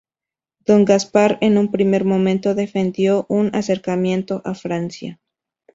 Don Gaspar en un primer momento defendió un acercamiento a Francia.